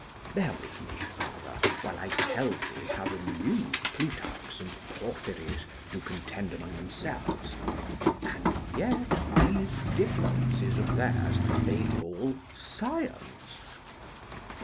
Bear with me, Father, while I tell thee how the new Plutarchs and Porphyrys do contend among themselves; and yet these differences of theirs they call 'Science'!